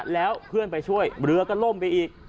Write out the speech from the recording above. แล้วเพื่อนไปช่วยเรือก็ล่มไปอีก